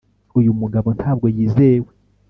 Uyu mugabo ntabwo yizewe